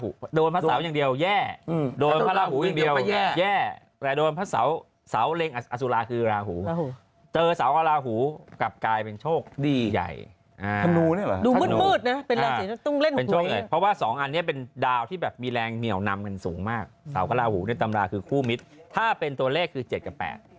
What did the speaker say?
คุณหนุ่มนี่คุณเตรียมทำบุญอุทิศนะฮะ